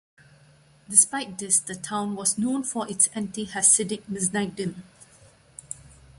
Despite this, the town was known for its anti-hasidic misnagdim.